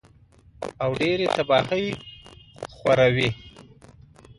او ډېرې تباهۍ خوروي